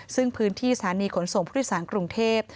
ซึ่งพื้นที่สถานีขนส่งผู้โดยสารกรุงเทพ